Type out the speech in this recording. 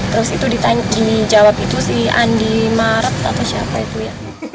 terus itu dijawab itu si andi maret atau siapa itu ya